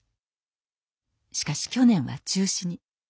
しかし去年は中止に。